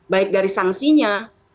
baik dari sangsinya